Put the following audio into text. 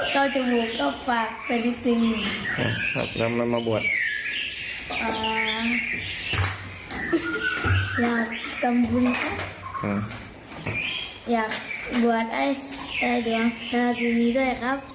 ขอบคุณครับอยากบวนไอ้สัตว์นี้ด้วยครับ